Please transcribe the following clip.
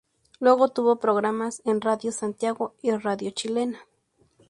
Luego tuvo programas en Radio Santiago y Radio Chilena.